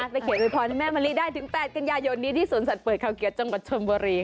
เขียนโวยพรให้แม่มะลิได้ถึง๘กันยายนนี้ที่สวนสัตว์เปิดเขาเกียรติจังหวัดชนบุรี